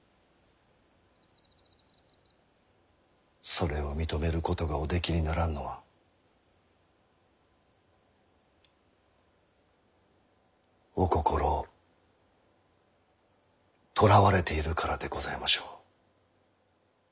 それを認めることがおできにならんのはお心をとらわれているからでございましょう。